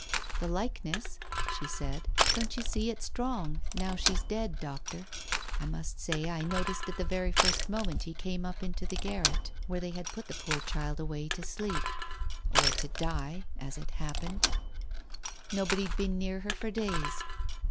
"The likeness !" she said. "Don't you see it strong now she's dead, Doctor? I must say I noticed it the very first moment he came up into that garret where they" Digitized by Google io TALES OF THE UNEASY had put the poor child away to sleep — or to die, as it happened. Nobody'd been near her for days.